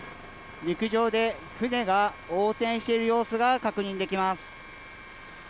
陸上で船が横転している様子が確認できます。